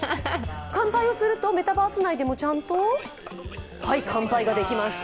乾杯をすると、メタバース内でもちゃんと乾杯ができます。